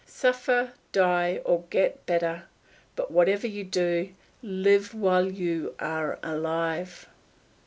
Suffer, die, or get better; but whatever you do, live while you are alive.